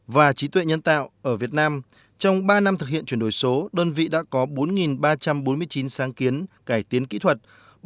và trí tuệ nhân tạo ở việt nam trong ba năm thực hiện chuyển đổi số đơn vị đã có bốn ba trăm bốn mươi chín sáng kiến cải tiến kỹ thuật